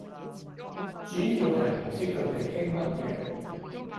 主要係唔知佢哋傾乜嘢